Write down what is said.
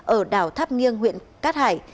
ở đảo tháp nghiêng huyện cát hải